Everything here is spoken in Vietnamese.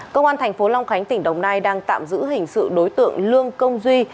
công an thành phố long khánh tỉnh đồng nai đang tạm giữ hình sự đối tượng lương công duy